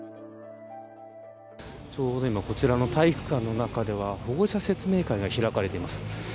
こちらの体育館の中では保護者説明会が開かれています。